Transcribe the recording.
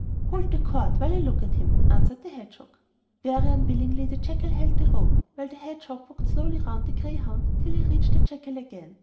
'Hold the cord while I look at him,' answered the hedgehog. Very unwillingly the jackal held the rope, while the hedgehog walked slowly round the greyhound till he reached the jackal again.